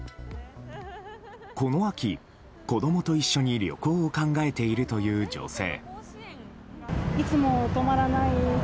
この秋、子供と一緒に旅行を考えているという女性。